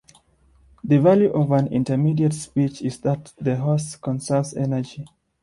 The value of an intermediate speed is that the horse conserves energy.